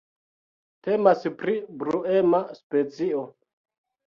Temas pri bruema specio.